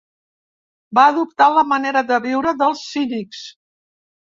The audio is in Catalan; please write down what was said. Va adoptar la manera de viure dels cínics.